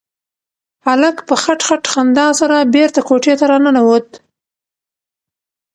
هلک په خټ خټ خندا سره بېرته کوټې ته راننوت.